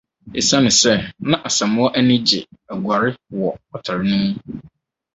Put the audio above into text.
Esiane sɛ na Asamoah ani gye aguare wɔ ɔtare no mu.